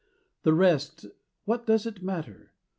The rest what does it matter?